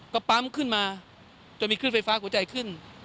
ก็ปั๊มขึ้นมาจนมีขึ้นไฟฟ้าหัวใจขึ้น